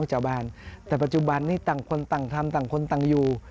ชาวบ้านแต่ปัจจุบันนี้ต่างคนต่างทำต่างคนต่างอยู่